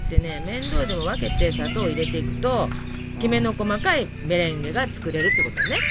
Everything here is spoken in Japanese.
面倒でも分けて砂糖を入れていくときめの細かいメレンゲが作れるってことね。